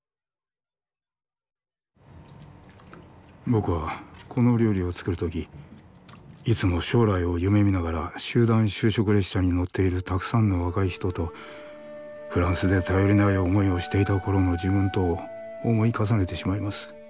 僕はこの料理を作るときいつも将来を夢見ながら集団就職列車に乗っているたくさんの若い人とフランスで頼りない思いをしていた頃の自分とを思い重ねてしまいます。